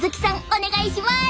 お願いします！